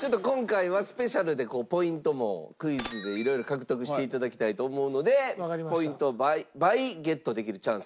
ちょっと今回はスペシャルでポイントもクイズで色々獲得して頂きたいと思うのでポイントを倍ゲットできるチャンスです。